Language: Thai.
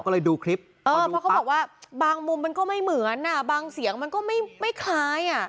ก็เลยดูคลิปเออเพราะเขาบอกว่าบางมุมมันก็ไม่เหมือนอ่ะบางเสียงมันก็ไม่คล้ายอ่ะ